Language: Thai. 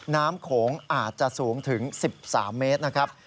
โขงอาจจะสูงถึง๑๓เมตรนะครับ